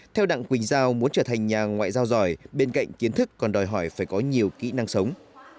theo đặng quỳnh giao muốn trở thành nhà ngoại giao giỏi bên cạnh kiến thức còn đòi hỏi phải có nhiều kỹ năng sống